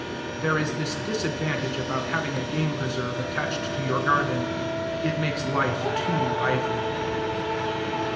There is this disadvantage about having a game preserve attached to your garden: it makes life too lively.